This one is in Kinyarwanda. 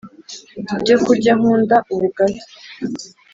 mu byo kurya nkunda ubugali,